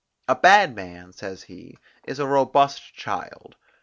A bad man, says he, is a robust child.